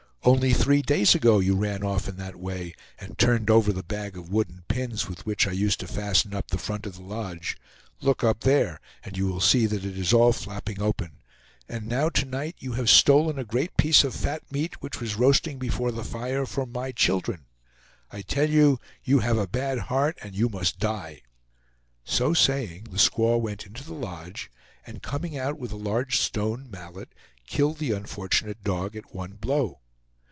Only three days ago you ran off in that way, and turned over the bag of wooden pins with which I used to fasten up the front of the lodge. Look up there, and you will see that it is all flapping open. And now to night you have stolen a great piece of fat meat which was roasting before the fire for my children. I tell you, you have a bad heart, and you must die!" So saying, the squaw went into the lodge, and coming out with a large stone mallet, killed the unfortunate dog at one blow.